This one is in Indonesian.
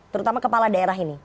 terutama kepala daerah ini